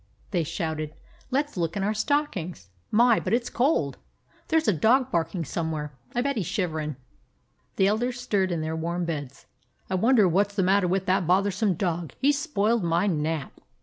they shouted. "Let 's look in our stockings. My! but it's cold. There's a dog barking somewhere; I bet he 's shiverin'." The elders stirred in their warm beds. "I wonder what 's the matter with that bother some dog? He 's spoiled my nap."